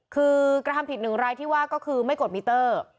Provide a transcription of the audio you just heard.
คือกระทำผิดหนึ่งรายที่ว่าก็คือไม่กดมิเตอร์